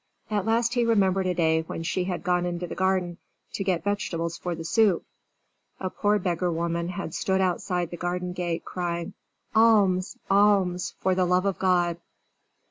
At last he remembered a day when she had gone into the garden to get vegetables for the soup. A poor beggar woman had stood outside the garden gate, crying: "Alms! Alms, for the love of God!"